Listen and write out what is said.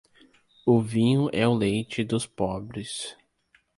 O vinho é o leite dos pobres.